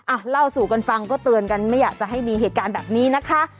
เล่าสู่กันฟังก็เตือนกันไม่อยากจะให้มีเหตุการณ์แบบนี้นะคะ